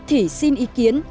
thì xin ý kiến